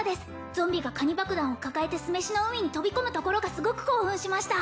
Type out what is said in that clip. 「ゾンビがカニ爆弾を抱えて」「酢飯の海に飛び込むところがすごく興奮しました」